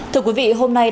thưa quý vị hôm nay